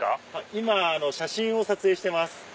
今写真を撮影してます。